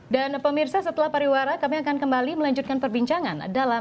dan pemirsa setelah pariwara kami akan kembali melanjutkan perbincangan dalam the central bank